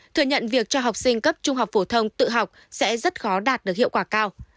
thừa nhận việc cho học sinh cấp trung học phổ thông tự học sẽ rất khó đạt được hiệu quả cao